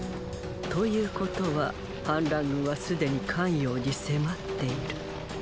ということは反乱軍はすでに咸陽に迫っている。